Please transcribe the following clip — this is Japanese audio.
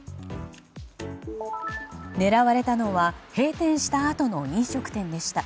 狙われたのは閉店したあとの飲食店でした。